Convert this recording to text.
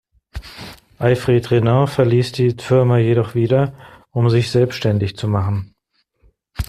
Alfred Renard verließ die Firma jedoch wieder, um sich selbständig zu machen.